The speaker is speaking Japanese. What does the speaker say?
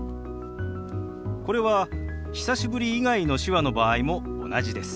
これは「久しぶり」以外の手話の場合も同じです。